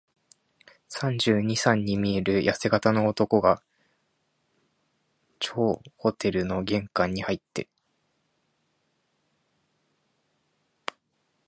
三十二、三に見えるやせ型の男が、張ホテルの玄関をはいって、